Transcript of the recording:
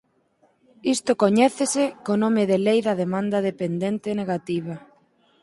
Isto coñécese co nome de Lei da Demanda de Pendente Negativa.